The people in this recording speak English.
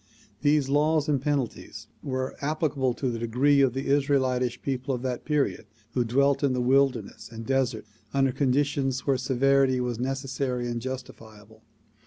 These laws and penalties were applicable to the degree of the Israelitish people of that period who dwelt in the wilderness and desert under conditions where severity was necessary and justifiable.